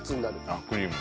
あっクリーム？